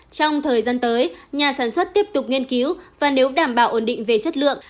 trong thời gian tới nhà sản xuất tiếp tục nghiên cứu và nếu đảm bảo ổn định về chất lượng